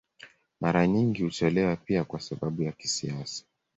Mara nyingi hutolewa pia kwa sababu za kisiasa.